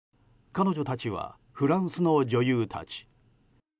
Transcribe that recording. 彼女たちはフランスの女優たち。